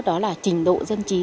đó là trình độ dân trí